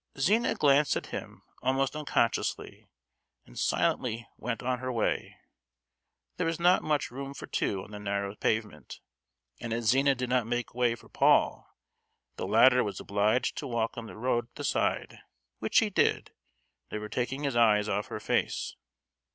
Zina glanced at him almost unconsciously, and silently went on her way. There was not much room for two on the narrow pavement, and as Zina did not make way for Paul, the latter was obliged to walk on the road at the side, which he did, never taking his eyes off her face.